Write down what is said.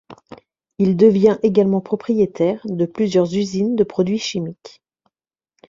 Il devient également propriétaire de plusieurs usines de produits chimiques.